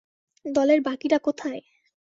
দলের বাকিরা কোথায়?